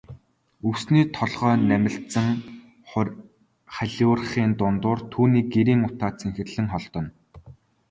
Өвсний толгой намилзан халиурахын дундуур түүний гэрийн утаа цэнхэрлэн холдоно.